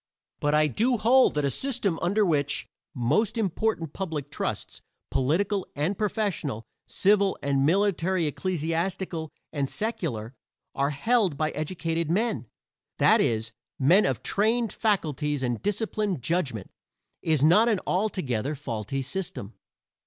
But I do hold that a system under which most important public trusts, political and professional, civil and military ecclesiastical and secular, are held by educated men that is, men of trained faculties and disciplined judgment is not an altogether faulty system.